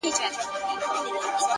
پوهه د فکر ژوروالی زیاتوي,